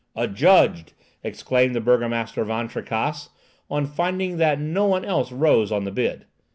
"Adjudged!" exclaimed the burgomaster Van Tricasse, on finding that no one else rose on the bid.